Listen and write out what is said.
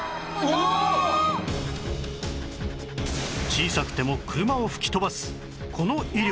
小さくても車を吹き飛ばすこの威力